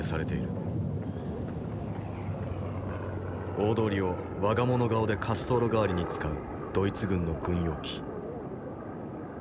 大通りを我が物顔で滑走路代わりに使うドイツ軍の軍用機。